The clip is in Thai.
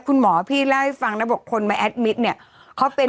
คุณหมอพี่เล่าให้ฟังนะบอกคนมาแอดมิตรเนี่ยเขาเป็น